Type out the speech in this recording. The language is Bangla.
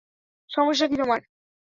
সমস্যা কী তোমার?